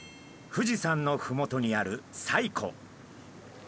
富士山のふもとにある西湖。